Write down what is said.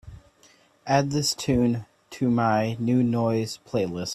add this tune to my New Noise playlist